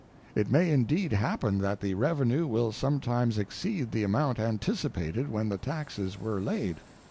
It may indeed happen that the revenue will sometimes exceed the amount anticipated when the taxes were laid.